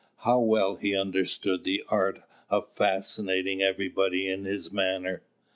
How well he understood the art of fascinating everybody in his manner!